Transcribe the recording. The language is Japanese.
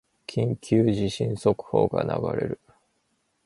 緊急地震速報が流れる